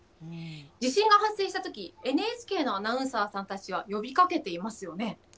地震が発生したとき、ＮＨＫのアナウンサーさんたちは呼びかけていますよね。